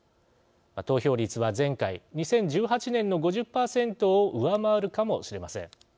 投票率は前回２０１８年の５０％を上回るかもしれません。